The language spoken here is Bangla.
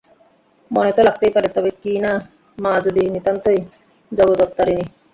মনে তো লাগতেই পারে– তবে কি না মা যদি নিতান্তই– জগত্তারিণী।